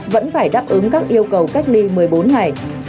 vẫn phải đáp ứng các yêu cầu cách ly một mươi bốn ngày